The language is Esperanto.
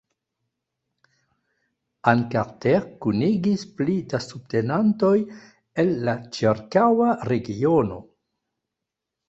Ann Carter kunigis pli da subtenantoj el la ĉirkaŭa regiono.